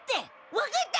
分かった！